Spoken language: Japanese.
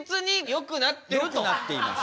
よくなっています。